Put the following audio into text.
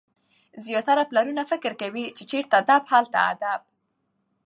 زیاتره پلرونه فکر کوي، چي چيري ډب هلته ادب.